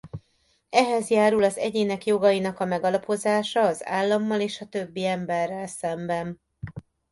Ehhez járul az egyének jogainak a megalapozása az állammal és a többi emberrel szemben.